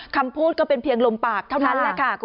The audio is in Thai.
คำพูดก็เป็นเพียงลมปากเท่านั้นแหละค่ะ